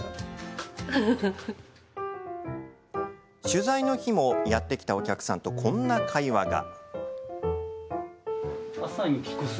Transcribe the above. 取材の日も、やって来たお客さんとこんな会話が。